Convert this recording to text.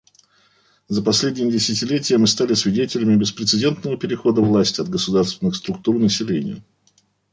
За последнее десятилетие мы стали свидетелями беспрецедентного перехода власти от государственных структур населению.